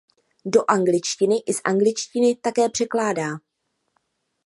Do angličtiny i z angličtiny také překládá.